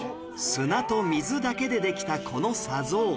砂と水だけでできたこの砂像